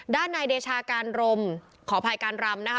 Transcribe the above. ด้านนายเดชาการรมขออภัยการรำนะคะ